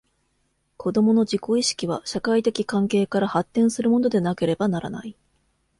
子供の自己意識は、社会的関係から発展するものでなければならない。